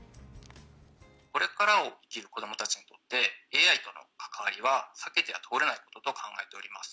これからを生きる子どもたちにとって、ＡＩとの関わりは避けては通れないものと考えております。